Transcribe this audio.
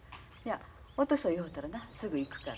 おとそ祝うたらなすぐ行くから。